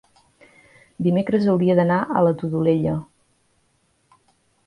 Dimecres hauria d'anar a la Todolella.